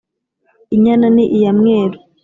inyana ni iya mweru